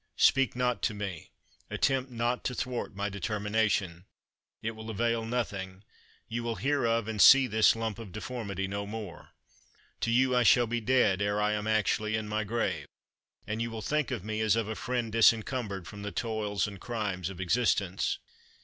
Speak not to me! attempt not to thwart my determination! it will avail nothing; you will hear of and see this lump of deformity no more. To you I shall be dead ere I am actually in my grave, and you will think of me as of a friend disencumbered from the toils and crimes of existence."